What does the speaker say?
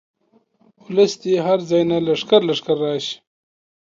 اولس دې هر ځاي نه لښکر لښکر راشي.